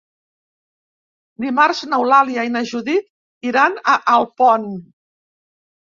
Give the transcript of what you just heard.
Dimarts n'Eulàlia i na Judit iran a Alpont.